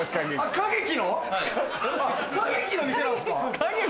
景樹の店なんすか？